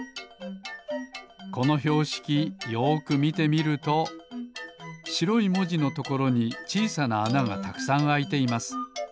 このひょうしきよくみてみるとしろいもじのところにちいさなあながたくさんあいています。